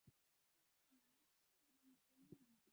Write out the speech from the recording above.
Kuna sherehe kule ndani